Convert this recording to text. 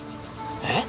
えっ？